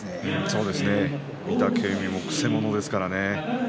そうですね御嶽海も、くせ者ですからね。